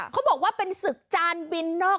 เขาบอกว่าเป็นศึกจานบินนอก